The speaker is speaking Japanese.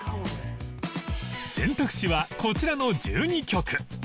選択肢はこちらの１２曲